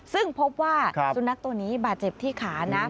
ซึ่งพบว่าสุนัขตัวนี้บาดเจ็บที่ขานะ